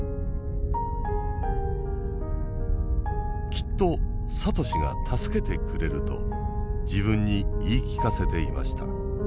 「きっと聡が助けてくれる」と自分に言い聞かせていました。